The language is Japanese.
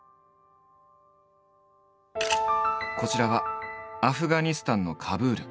こちらはアフガニスタンのカブール。